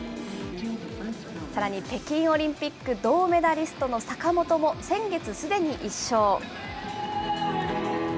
さらに、北京オリンピック銅メダリストの坂本も、先月すでに１勝。